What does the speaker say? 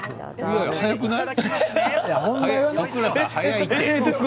早くない？